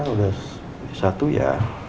udah satu ya